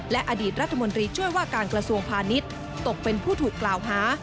และอดีตรัฐมนตรีช่วยว่าการกระทรวงพาณิชย์ตกเป็นผู้ถูกกล่าวหา